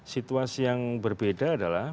situasi yang berbeda adalah